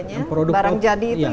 atau mungkin sekarang sudah ada di